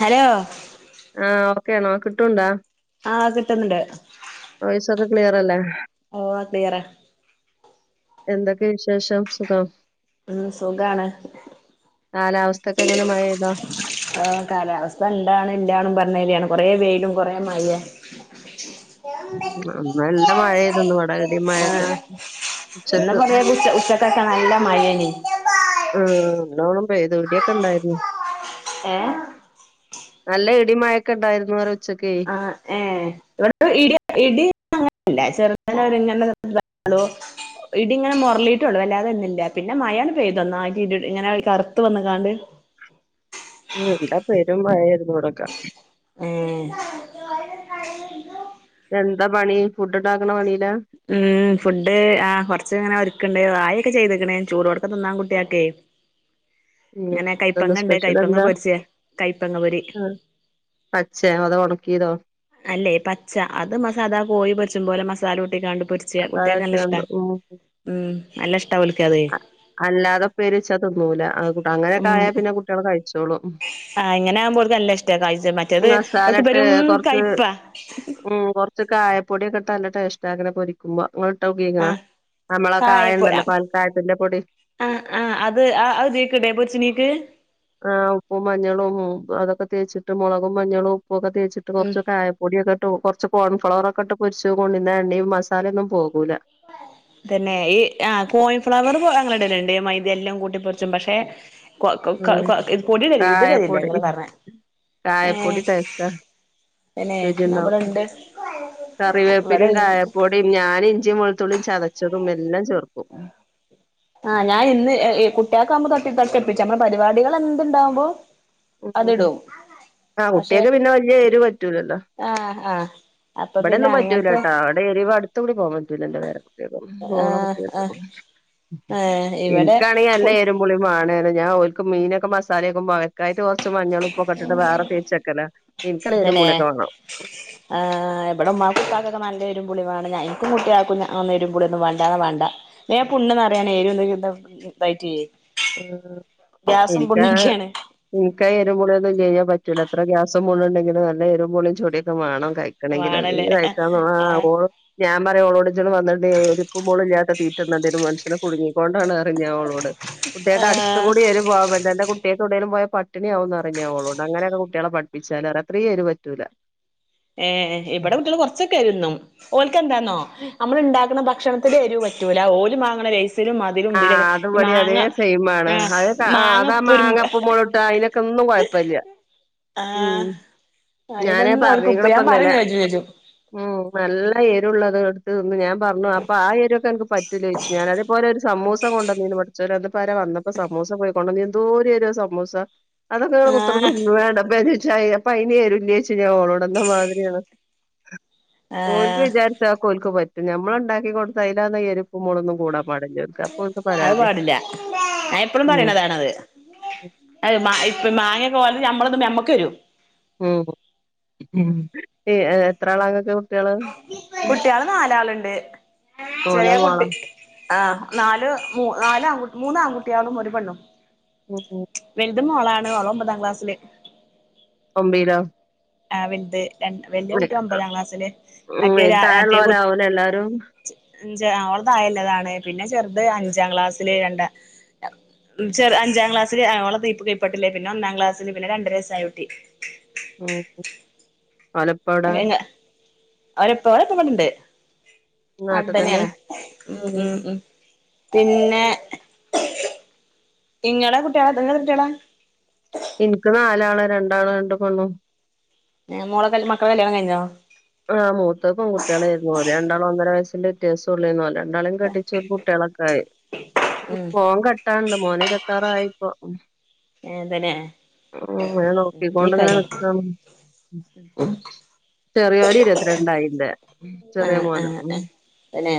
Hello ആഹ് ഓക്കെയ ആണോ കിട്ടുംണ്ടാ ആഹ് കിട്ടുന്നുണ്ട് വേറല്ലേ ഓ അത്ടിയറ എന്തൊക്കെ വിശേഷം സുഖം ഉം സുഖാണ് കാലാവസ്ഥക്കെ എങ്ങനെ മഴെയ്തോ ആ കാലാവസ്ഥ എന്താണ് ഇല്ലും പറഞ്ഞല്യാാണ് കൊറെ വെയിലും കൊറ മഴ ആ [unintelligible] ഇ മഴയ്തന്നന്ന് വടാകടി ആ മഴയൊക്കെ ഉച്ചക്ക് ഒക്ക നല്ല മഴനി എല്ലോണം പോയത് ഇടിയൊക്കെ ഇണ്ടായിരുന്നു ഏ നല്ല ഇടി മഴക്കെ ഉണ്ടായിരുന്നു ആ ഏ ഇവിടെ ഇ ഇടി അങ്ങനല്ല ചെറ അങ്ങങ്ങനു ഇടി ഇങ്ങനെ മുരളിട്ടള്ളൂ വല്ലാതെ ഒന്നില്ല പിന്നെ മയാണ് പ്തൊന്ന ആിട്ട് ഇങ്ങനെ അവള കറു വന്നക്കാണ്ട് ഉം എന്താ പെരും മയായിരുന്നു കൂടൊക്കെ ഉം എന്താ പണി ഫുഡ് ഉണ്ടാക്കണ പണി ഉം ഫുഡ് ആ കൊറച്ച ഇങ്ങനെ ഒരുക്കണ്ടോ ആ ക്കെ ചെയ്തക്കണേ ചൂറ്ോടക്ക നിതിന്നാൻ കുട്ടിയക്കെ ഉം അങ്ങനെ ഇന്ന് കയപ്പങ്ങ ഉണ്ട് സ്പെഷ്യൽ കൈപ്പങ്ങ എന്താ പൊരിച്ച് കയപ്പങ്ങ പൊരി ആഹ് പച്ചേ അതോ ഒണക്കിയതോ അല്ലെ പച്ച അത് മസാധാ കോയി പച്ച പോലെ മ ാല കുട്ടി കണ്ടണ്ട് പൊരിച്ച മസാല കുട്ടികക്ക് നല്ല ഇഷ്ട വെച്ചാണ്ട് ഉം ഉം നല്ല ഇഷ്ടല അല്ലാതെ പേര്ച്ചാ തിന്നൂലട്ട അങ്ങനെയൊക്കെ ആയാൽ പിന്നെ കുട്ടികൾ കഴിച്ചോളു ആഹ് ഇങ്ങനെ ആകുമ്പോക്ക നല്ല ഇഷ്ട കഴച മറ്റേത് മസാല ഒക്കെ പെരും കയ്പാ ഉ കൊറച്ച് കായപ്പൊടിയൊക്കെ നല്ല ടേസ്റ്റ് ആനെ പൊരിക്കുമ്പോ അങ്ങ ഇട്ടക്കീക്കണ ആ നമ്മളെ കായ കായപ്പൊടി ഉണ്ടല്ലോ പ തഴത്തിന്റെ പൊടി ആ ആ അത് ആ അത് ഇതീക്കിടേ പൊരിച്ചിണീക്ക് ആ് ഉപ്പും മഞ്ഞളും അതൊക്കെ തേച്ചിട്ട മുളക മഞ്ഞളും ഉപ്പുംൊക്കെ തേച്ചി് ഉം കുറച്ച് കായപ്പൊടൊക്കെ കുറച്ച് കോൺഫ്ലവറ ഒക്കെ ഇട്ട് പൊരിച്ച കൊണ്ട ഇന്ന എണ്ണയും മസാല ഒന്നും പോകൂില്ല തന്നെ ഈ ആ കോൺഫ്ലവർ ഞങ്ങള ഇടലുണ്ട് മൈതെല്ലാം കൂട്ടിപ്പൊറിച്ചും പക്ഷെ കൊ കൊ ഉം കൊ ഇത് പൊടിയിടലില്ല ഇതിടലില്ല കാായപൊടി ഇങ്ങള് പറഞ്ഞ ഏ കാായപൊടി തൈച്ചക്ക പിന്നെ രുചിുണ്ടാവും ഇവിടെണ്ട് ഇവിടെ കറിവേപ്പിലും കായപ്പൊടും ഞാനും ഇഞ്ചി മു ത്തളിയും ചതച്ചതും എല്ലാം ചേർക്കും ആഹ് ഞാൻ ഇന് കുട്ടിയാൊവുമ്പോ തൊട്ടി തട്ടൽപ്പിച്ചു നമ്മുടെ പരിപാടികൾ എന്തുണ്ടാവകുമ്പോ ഉ ആ കുട്ടിയക്ക് പിന്നെ വലിയ എരു പറ്റൂല ആഹ് ആഹ് ഇവിടെയ ഒന്നും പറ്റൂല കേട്ടാ അവിടെ എരിവ അടുത്ത കൂടി പോവാൻ പറ്റൂല എന്റെ പേരക്കുട്ടികൾ കൊന്നും ആ മോളെ ആ കുട്ടികൾക്ക് ഏ ഇവിടെ എനിക്കാണെങ്കി നല്ല എരുമ്പുളിയുംമാണം ഞാൻ മീനൊക്കെ മസാലയൊക്കെ വക്കായിട്ട് കുറച്ച് മഞ്ഞൾ ഉപ്പൊക്കെട്ടിട്ട് വേറെ തേച്ചെക്കല. എനിക്ക് നല്ല എരിവും പിന്നെ പുളി ഒക്കെ വേണം ആഹ് ഇവിടെ ഉമ്മ കുക്കാക്കൊക്കെ നല്ലരുപൊളി വേണം എിക്കും കുട്ടിയാക്കും എരുമ്പുളി വേണ്ട വല്ലാതെ വണ്ട വേമ്പുണ് അറിയാന എന്ത [unintelligible] ആ എനിക്ക എരുമ്പുള്ളി ഇലഞാ പറ്റില പറ്റൂല എത്ര ഗ്യാസും പുണ്ണുണ്ടെങ്കില നല്ല എരുമ്പുളി ചടിയൊക്കെ വേണം. കഴിക്കണെങ്കിൽല്ല വാണല്ലേ കഴ [unintelligible] ആഹ് [unintelligible] മോള ഇല്ലാത്ത തീറ്റന്ന ഒരു മനഷ്യന് കുടുങ്ങി അൊണ്ടാണ്റിഞ്ഞ അവളോട് കുട്ടികക്ക് അടുത്ത ആഹ് കൂടി എരു പോകാൻ പറ്റില്ല കുട്ടികക്ക് എവിടെയെങ്കിലും പോയാൽ പ പട്ടണിയവും ന്ന് അവളോട് അങ്ങനെയൊക്കെ കുട്ടികളെ പഠിപ്പിച്ചാൽ അത്രയും എരുപറ്റൂല ഏർ ഇവിടെ കുട്ടികള് കൊറച്ചൊ എരു തിന്നും ഓല് ക് എന്താന്നോ നമ്മള ഉണ്ടാക്കുന്ന ഭക്ഷണത്തിൽ എരു പറ്റൂല ഓ മാങ്ങൈ ആ് അത്പടി അതേ സെയിം മാണ് ആഹ് അത മാങ്ങ അതാ ഉപ്പൊരു മാങ്ങ ഇപ്പും മുളക് അതിനൊക്കെ കുഴപ്പമില്ല ഉം ആഹ് ഞാനാ അയിനൊന്നും ഓൽക്ക് ഉപ്പ് ഞാൻ പറഞ്ഞിക്ണ് പറയും ചോജും ചോജും [unintelligible] നല്ല എരുള്ളത് എടുത്ത് ഒന്ന് ഞാൻ പറഞ്ഞു ആ എരുക്കേ അനക്ക് പറ്റും ലേ ചോച്ചു അതുപോലെ. ഒരു സമൂസ കൊണ്ടരിന്നു കൊണ്ടനിനു പട [unintelligible] സമൂസ പോയിക്കോണ്ടോനീനു എന്തേരെരു സമൂസ അതൊക്കെ നി ആഹ് കുത്രൊന്നന്ന് [unintelligible] അതിന് ഒരു ഇല്ലേന്ന് ഞാൻ ഓളോടന്ന മാതിരിയണ് ഓൽക്ക് ആഹ് വിചാരിച്ചാ ഓൽക്ക് പറ്റു നമ്മള് ഉണ്ടാക്കി കൊടുത്ത അയില് എരു ഇപ്പ് മേളൊന്നും കൂടാ പാടില്ലന് അത് പാടില്ല ഞൻ എപ്പഴും ഉം പറയണതാണത് അത [unintelligible] മാങ്ങൊക്കെ തിന്നുമ്പോൾ നമ്മക്ക് ഏരിയും ഉ ഉം എ എത്ര ആളാ ഇങ്ങക്ക് കുട്ട്യാള് കുട്ടികള് നാലാളുണ്ട് മോനോ ചെറിയ മോളോ കുട്ടി ആ് നാല് നാലല് ആകു മൂന്ന് ആൺകുട്ടികളും ഒരു പെണ്ണും. ഉ ഉ [unintelligible] മളാണ് ഒമ്പതാം ക്ലാസ്സില് ഒബിലോ ആഹ വലുത് ര വലിയ കുട്ടി ഒമ്പതാം ക്ലാസ്സില് ഉ മറ്റേ താഴുള്ള ഉള്ളോരാവും എല്ലാരും ച് അവളതായല്ലതാണ് പിന്നെ ചെറുത് അഞ്ചാം ക്ലാസ്സില് രണ്ട ചെറ അഞ്ചാം ക്ലാസ്സില് ഓളെ കീപ്പട്ളേ പിന്നെ ഒന്നാം ക്ലാസ്സിൽ പിന്നെ രണ്ടുരയസയ കുട്ടി ഉം ആല ഇപ്പാടാ അവരെപ്പ പ്പ ഇവടെണ്ട് നാട്ടിൽ തന്നെ നാട്ടുതന്നെയാണ് ഉ ഉ ഉം ഉ പിന്നെ ഇങ്ങളെ കുട്ടികള [unintelligible] കുട്ടികളാ എനിക്ക് നാലാള് രണ്ടാണും രണ്ടും പണ്ണും മോളെ മക്കളെ കല്യാണം കഴിഞ്ഞോ? ആ മൂത്ത് പൺകുട്ടികളായിരുന്നു രണ്ടാളും ഒന്നര വയസ്സിന്റെ വത്യാസം ഉള്ളേന്ന് [unintelligible] രണ്ടളും കെട്ടിച്ചു കുട്ടികളൊക്കെ ആയി ഉം മോൻ കെട്ടാണ്ട് മോന് ഇര റ്റാറായി പോ അതന്നെ [unintelligible] നീ നോക്കിക്കൊണ്ട് ഇങ്ങനെ കാര്യം നികണ് ചെറിയൊര് ഇരുപത്തിരണ്ടായിന്റെ ആഹ ആഹ ആ തന്നെ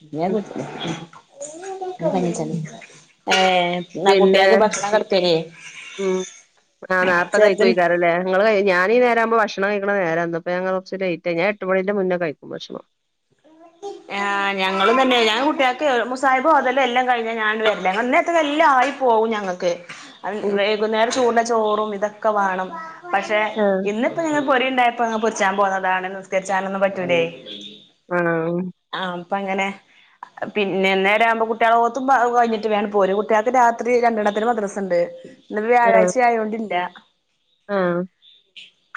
[unintelligible] പനിച്ച ഉം ഏർ ന പിന്നെ കുട്ടിയകെ ഭക്ഷണ കൊടുത്തരേ ഉം ആ നേരത്തെ കഴിക്കുംആയിരിക്കുംലെ നിങ്ങള് ഞാനീ നേരാവുമ്പോ ഭക്ഷണം ഭക്ഷണം കഴിക്കണ നേരന്ന് ഇപ്പൊ ഞൻ കുറച്ച് ലേറ്റ് ആയി ഞാ എട്ടു മണീന്റെ മുന്നേ കഴിക്കും ഭക്ഷണം ഞങ്ങളും തന്നെ ഞാൻ കുട്ടൾക്കെ മുസായിഫ് ഓതെല്ലാം എല്ലാം കഴിഞ്ഞാ ഞാണ്ട് വരില്ല അങ്ങന്നത്തക്കെ എല്ലാം ആയി പോ പോവും ഞങ്ങൾക്ക് ഉം വൈകുന്നേരം ചൂടിന്റെ ചോറും ഇതൊക്കെ വേണം പക്ഷെ ആ ഇന്നിപ്പ ഞങ്ങ പൊരിണ്ടായപ്പോ അങ് പൊരിച്ചാൻ പോന്നതാണ് നിസ്കരിച്ചാനൊന്നും പറ്റൂലേ ആ അപ്പ അങ്ങനെ പിന്നെ നേര ആവുമ്പോ കുട്ടികളെോഓത്തും കഴിഞ്ഞിട്ട് വേണം ഒരു കുട്ടികൾക്ക് രാത്രി രണ്ടെണ്ണത്തിന് മദ്രസുണ്ട് ന്നത് വ്യാഴാഴ്ച ആയതോണ്ടില്ല ആ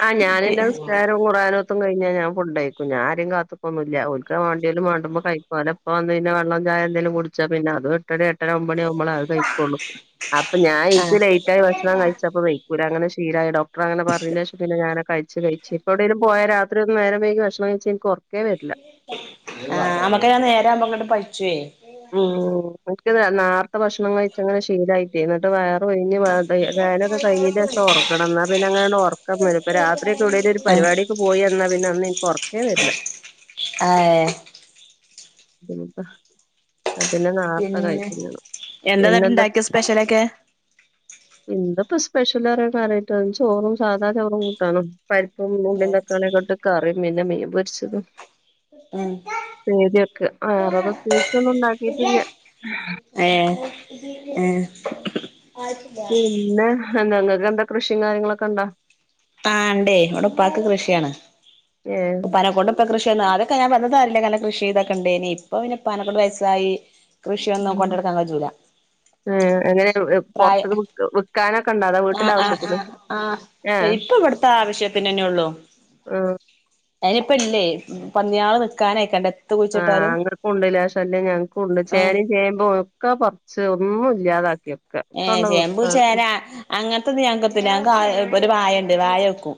ആ പി ഞാനിന്റെ നിസ്കാരവും ഖുർആൻ നോത്തും കഴിഞ്ഞാ ഞാൻ ഫുഡ്‌ കഴിക്കും ഞാൻ ആരയും കാത്ത് നിക്ക് ഒന്നില്ല വേണ്ടുമ്പം കഴിക്കും ഇപ്പ വന്ന് കഴിയുമ്പോ വെള്ളം ചായ എന്തേലും കുടിച്ച പിന്ന അതും എട്ടര എട്ടര ഒൻപത് കഴിക്കുള്ളു അപ്പ ഞൻ എനിക്ക് ആഹ് ലേറ്റ് ആയി ഭക്ഷണം കഴിച്ചപ്പോ ദഹിക്കൂല തീരായി ഡോക്ടർ അങ്ങനെ പറഞ്ഞ ശേഷം പിന്നെ ഞാനെ കഴിച്ച് കഴിച്ച് ഇപ്പ എവിടേലും പോയാ രാത്രി ഒന്ന് നേരം വൈകി ഭക്ഷണം കഴ ആ മ്മക്ക് ഞാൻ നേരവുമ്പോ അങ്ങോട്ട് പഠിച്ചുവേ ഉം നേർത്തെ ഭക്ഷണം കഴിച്ചങ്ങനെ ശീലായിട്ട് എന്നിട്ട് വേറെ ഴിഞ് നൊക്കെഴിഞ്ഞട്ട് ശം ഉറക്കണം എന്നാ പിന്നെ അങ്ങന ഉറക്കം വരും ഇപ്പൊ രാത്രി ഒക്കെ എവിടേലും പരിപാടി ആഹ് പരിപാടിക്ക് പോയി വന്നാ പിന്നെ അന്ന് എനിക്ക് ഉറക്കേ വരില്ല ആ പിന്നപ്പ ആ പിന്നെ നാർത്ത പിന്നെ കഴിക്കുന്നത് എന്താന്നട്ട് പിന്നെന്താ ഇണ്ടാക്കിയെ സ്പെഷ്യലൊക്കെ എന്ത പ്രശ്ന സ്പെഷ്യൽ കറിയിട്ട ചോറും സാധാ ചോറും കൂട്ടാനും പരിപ്പും ഉള്ളിയും തക്കാളിയെക്കോട്ട് കറി പിന്ന മീൻ പൊരിച്ചതും ഉം [unintelligible] ഒക്കെ ആറുപ ഏ ഏ പിന്നെ നിങ്ങൾക്ക് എന്താ കൃഷിയും കാര്യങ്ങളൊക്കെ ഉണ്ടോ ആണ്ടേ ഇവട ഉപ്പാക്ക് കൃഷിയാണ് ഏഹ് ഉപ്പാനെ കൊണ്ട് ഇപ്പൊ കൃഷി അതൊക്കെ ഞാൻന്നത അല്ലങ്ങന കൃഷി ചെയ്തൊക്കെണ്ട് ഇനി ഇപ്പൊ പിന്ന ഉപ്പാനെ കൊണ്ട് വയസ്സായി കൃഷിയൊന്നും കൊണ്ടെടുക്കാൻ കജൂല എങ്ങനെ പ്രായ പുറത്ത് വിക്കാനൊക്കെ ഉണ്ട അതോ വീട്ടില ആവശ്യത്തിനോ ഇപ്പൊ ഇവിടുത്തെ ആവശ്യത്തിന്നന്നെ ഉള്ളൂ ആഹ് അയിനിപ്പ ഇല്ലേ പന്നിയാള് നിക്കാനാ [unintelligible] ആ അങ്ങനക്കും ഉണ്ട്ല്ല ശല്യം ഞങ്ങക്കും ഉണ്ട് ആഹ് ചേന ചേമ്പും ഒക്കെ പറിച്ച് ഒന്നും ഇല്ലാത ഏ ചേമ്പൂച്ചേനാ അങ്ങനത്തെ ത് ഞാക്കെന്തിന ഒരു വായണ്ട് വായ വെക്കും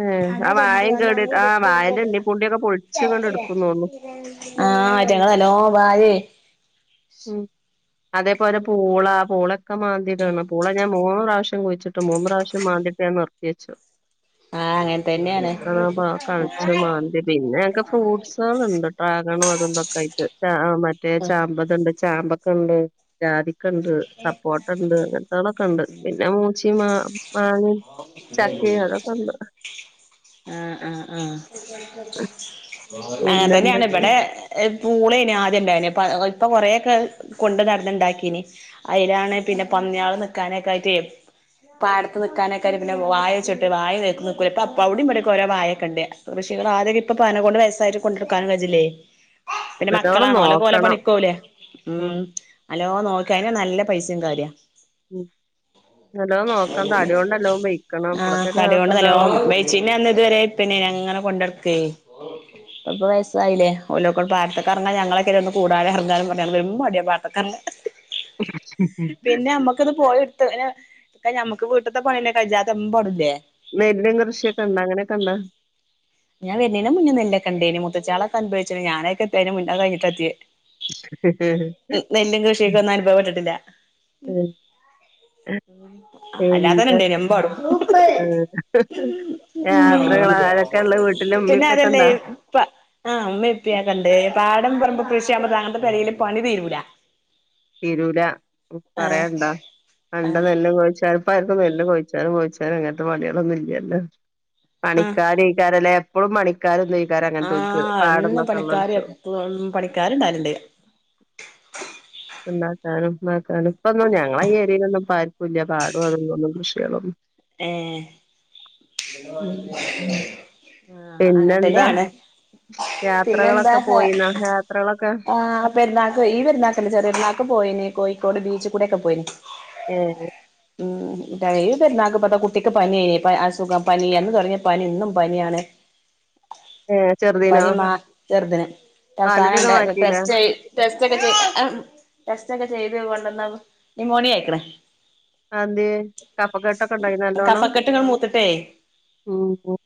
ഏഹ് ആ വാഴയും കേട് ആ വാഴന്റെ എണ്ണി പൂണ്ടിയൊക്കെ പൊളിച്ച്ങ്ങാണ്ട് എടുക്കുംന്ന് തോന്നുന്നു. [unintelligible] ആ ആറ്റങ്ങളല്ലോ വായ ഉം അതേപോലെ പൂളാ പൂളൊക്കെ മാന്തിട്ടാണ് പൂള ഞാൻ മൂന്ന് പ്രാവശ്യം കുഴിച്ചിട്ട് മൂന്ന് പ്രാവശ്യം മാന്തിട്ടന്ന് നിർത്തിവച്ചു ആ അങ്ങനെ തന്നെയാണ് കളച്ച് മാന്തി പിന്നെ ഒക്കെ ഫ്രൂട്ട്സുകളുണ്ട് ട്രാഗണും അതന്തൊക്കെ ആയിട്ട് ആ മറ്റേ ചാമ്പത്ണ്ട് ചാമ്പക്കുണ്ട് ജാതിക്കണ്ട് സപ്പോർട്ടണ്ട് അങ്ങനത്തളൊക്കെ ഉണ്ട് പിന്നെ മൂച്ചയും മാ മാങ്ങ ചക്ക അതക്കെ ഉണ്ട് ആ ആ ആ അങ്ങനെ തന്നെയാണ് പിന്നെന്തൊക്കെ ഇവിടെ പൂളേന് ആദ്യം ഉണ്ടായി ഇപ്പ കൊറെക്കെ കൊണ്ട് നടന്നുണ്ടാക്കീന് അതിലാണ് പിന്നെ പന്നി കള് നക്കാനെക്കായിട്ട് ഇപ്പ അട്ത്ത് നിക്കക്കാനെക്കാര് പിന്നെ വായച്ചിട്ട് വായ കേക്ക് നക്കൂ ഇപ്പ അപ്പ അവിട ഓരോ വാഴേക്കൊണ്ടേ കൃഷികൾ ആതൊ ഇപ്പൊ പനെ കൊണ്ട് വയസ്സായിട്ട് കൊണ്ടടുക്കാനും കഴില്ലേ പിന്നെ നല്ലോണം മക്കളാണോ അല പോലെ നോക്കണം പണിക്കോലേ ഉ നല്ലോം നോക്കന് നല്ല പൈസയും കാര്യം ഉം നല്ലോ നോക്കാൻ തടോണ്ടല്ലോ വെയക്കണം അപ്പളത്തെന്നെക്ക എണ്ടാവും ന്ന ഇതുവരെ പിന്നെ ങ്ങനെ കൊണ്ടടുക്ക ഇപ്പൊ വയസ്സായില്ലേ ഓക്ക പാത്തക്കെറങ്ങാ ഞങ്ങളെക്ക ഒന്ന് കൂടാതെ ഇറങ്ങാലും എന്നും അടിയ മത്തക്ക പിന്നെ അമ്മക്കത് പോയി ത് ന ഞമ്മക്ക് വീട്ടത്തെ പണിന്നെ കഴിഞ്ഞാത്ത പടില്ലേ നെല്ലും കൃഷിയൊക്കെ ഉണ്ടോ അങ്ങനെയൊക്കെ ഉണ്ടോ ഞാൻ വരുന്നെന്നു മുന്നേ നിന്നെ കണ്ടേനി മുത്തച്ചാളൊക്കെ അനഭവിച്ചി ഞാനൊക്കെത്തിതിന് മുന്നേ കഴിഞ്ഞട്ടെത്തി നെല്ലും കൃഷിയൊക്കെ ഒന്നും അനുഭവപ്പെട്ടിട്ടില്ല ഉം [unintelligible] ആ അല്ലാതന്നെ പിന്നെ ഇണ്ടേ എമ്പട യാത്രകൾ ആരൊക്കെ ഇള്ളെ വീട്ടില് ഇമ്മീം പിന്നെ ഇപ്പൊക്കെ അതല്ലേ ഇണ്ടോ ആമെപ്പിയക്കണ്ട് പ ഇടം പറമ്പൊക്കെ കൃഷിയകുമ്പോ അനത്തെ കലയിയില് പണി തീരൂല്ല തിരൂല പറയണ്ടോ പണ്ട ആഹ് നെല്ല് ചോദിച്ചാല് അപ്പായിർക്കും നെല്ല് കോഴിച്ചാലും കോഴിച്ചാലും അങ്ങനത്തെ പണികളൊന്നുമല്ലല്ലോ പണിക്കാരിക്കാരല്ലേ എപ്പോഴും പണിക്കാര ആ ഇന്ന് പണിക്കാര് എപ്പ പണിക്കാരുണ്ടാലണ്ട് എന്താ സാനം നാക്ക ഇപ്പൊന്നും ഞങ്ങള ഏരിയലൊന്നും പ്പാർക്കുല്ല പാടും അതൊന്നും കൃഷികളൊനും ആം [unintelligible] ആഹ അങ്ങനെ പിന്നെന്താ തന്നെയാണ് പിന്നെന്താ യാത്രകളൊക്കെ പോയിന്നോ യാത്രകളൊക്കെ ആ പെരുന്നാക്ക് ഈ പെരുന്നാക്കല്ല ചെറിയ പെരുന്നാക്ക് പോയിന് കോഴിക്കോട് ബീച്ച് കൂടെക്കെ പോയിന് ഏ ഉം ഈ പെരുന്നാക്ക് ഇപ്പെന്താ കുട്ടിക്ക് പനി അസുഖം പനി എന്ന് പറഞ്ഞ് പനി ഇന്നും പനിയാണ് ഏ ചെറുതിനാ പനി മാ ചെറുതിന് അവസാനം ഉണ്ട് ടെസ്റ്റ് ടെ [unintelligible] ടെസ്റ്റ ഒക്കെ ചെയ്ത് കൊണ്ടന്ന നിമോണിയ ആയിക്കണേ അതെന്തേ കഫക്കെട്ടൊക്കെ കഫക്കെട്ടുകൾ മൂത്തിട്ടേ ആഹ ഓ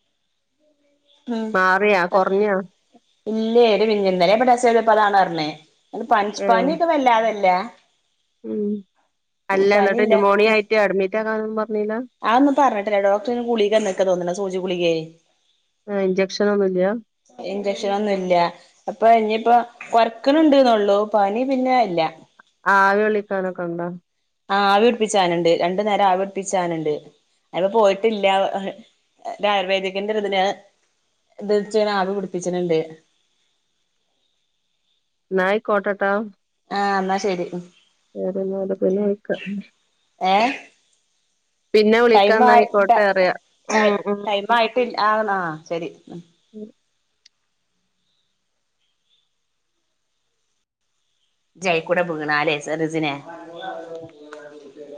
ഉ [inaudible] മാറിയാ കുറഞ്ഞാ ഇല്ലേ ഒരു വിഞ്ഞന്തനേ ഇന്നലേ ടെസ്റ്റ് ചെയ്തപ്പോ അതാണറ്ഞ്ഞേ അ ഏ പപനി ഒക്കെ വല്ലാതല്ല ഉം അല്ല എന്നിട്ട് പനിയില്ല ന്യൂമോണിയ ആയിട്ട് അഡ്മിറ്റ് ആകാനൊന്നും പറഞ്ഞില്ല അതൊന്നും പറഞ്ഞിട്ടില്ല ഡോക്ടറിന് ഗുളിക എന്നന്നൊക്കെ തോന്നുന്ന സൂചിഗുളികയെ ആ ഇഞ്ചക്ഷന ഒന്നുംല്ല ലക്ഷണൊന്നുമല്ല അപ്പൊ ഇനിയിപ്പ കൊറക്കുന്നുണ്ട്ന്നള്ളൂ പനി പിന്നെ ഇല്ല ആ ആവി വിളിക്കാനൊക്കെ ഉണ്ടോ ആ ആ അവർപ്പിച്ചാനുണ്ട് രണ്ടു നേരം ആവർപ്പിച്ചാനുണ്ട് അപ്പൊ പോയിട്ടില്ല ആയുർവേദിക്കന്റെതിന് എത്ച്ചന ആവി പിടിപ്പിച്ചനുണ്ട് നായി കോട്ടട്ട ആഹ എന്നാ ശരി വേറെന്നത പിന്നെ വിളക്ക ഏഹ് പിന്നെ ടൈം ആയി വിളിക്കാന്നായിക്കോട്ടെ അറിയാം ഉ ഉ ഉം ടൈം ആയിട്ടില്ല ആഹ് ശരി ഉം [unintelligible] ജൈക്കൂടെ പോകണ അല്ലെ സറിസിനെ